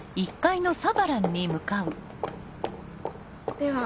では。